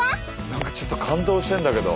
何かちょっと感動してんだけど。